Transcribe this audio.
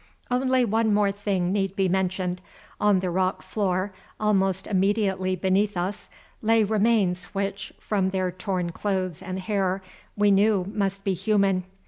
Only one more thing need be mentioned. On the rock floor almost immediately beneath us lay remains which, from their torn clothes and hair, we knew must be human.